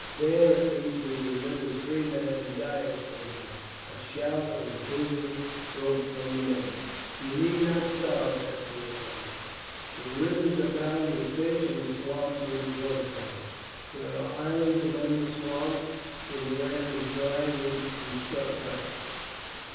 There at least we shall live as free men and die as free men." A shout of approval broke from the men. "You need not starve," Aska went on. "The rivers abound with fish and the swamps with waterfowl. There are islands among the swamps where the land is dry, and we can construct huts.